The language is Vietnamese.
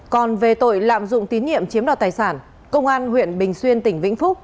còn về tội lạm dụng tín nhiệm chiếm đoạt tài sản công an huyện bình xuyên tỉnh vĩnh phúc